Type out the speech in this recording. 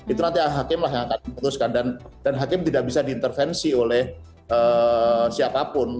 itu nanti hakim lah yang akan memutuskan dan hakim tidak bisa diintervensi oleh siapapun